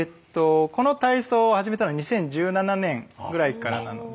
この体操を始めたのが２０１７年ぐらいからなので。